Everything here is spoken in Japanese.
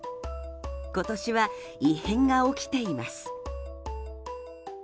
今年は、異変が起きています。